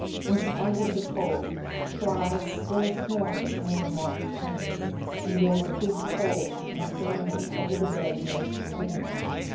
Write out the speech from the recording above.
In spite of the cold, flies still swarmed on the unwashed panes, and there were big holes in the fly net over the bed nearest the window.